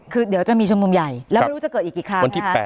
คือเดี๋ยวจะมีชุมนุมใหญ่แล้วไม่รู้จะเกิดอีกกี่ครั้งนะคะ